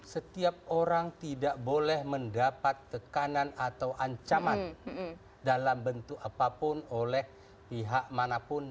setiap orang tidak boleh mendapat tekanan atau ancaman dalam bentuk apapun oleh pihak manapun